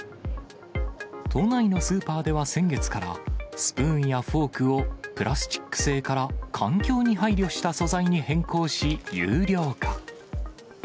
都内のスーパーでは先月から、スプーンやフォークを、プラスチック製から環境に配慮した素材に変更し有料化。